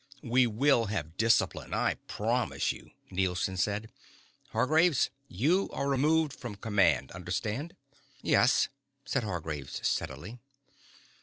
"We will have discipline, I promise you," Nielson said. "Hargraves, you are removed from command, understand?" "Yes," said Hargraves steadily.